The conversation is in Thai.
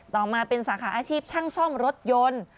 ต่อมาเป็นสาขาอาชีพช่างซ่อมรถยนต์